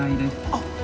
あっ。